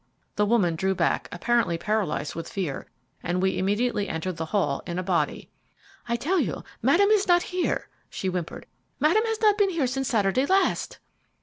The woman drew back, apparently paralyzed with fear, and we immediately entered the hall in a body. "I tell you Madame is not here," she whimpered. "Madame has not been here since Saturday last."